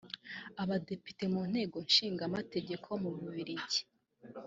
Abadepite mu Nteko Ishinga Amategeko mu Bubiligi